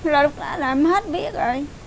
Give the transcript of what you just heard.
rồi lúc đó là em hết biết rồi